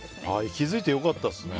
気づいてよかったですね。